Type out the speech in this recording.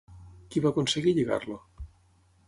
Qui va aconseguir lligar-lo?